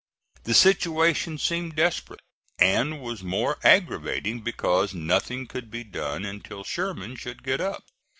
The situation seemed desperate, and was more aggravating because nothing could be done until Sherman should get up.